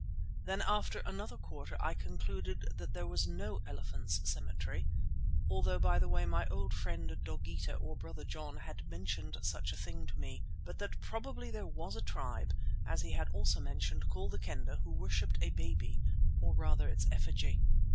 Then after another quarter I concluded that there was no elephants' cemetery—although by the way my old friend, Dogeetah or Brother John, had mentioned such a thing to me—but that probably there was a tribe, as he had also mentioned, called the Kendah, who worshipped a baby, or rather its effigy.